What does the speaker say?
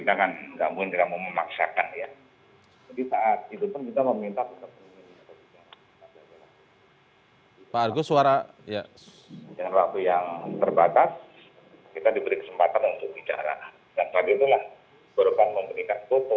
ternyata menemukan yang ditutupkan itu pak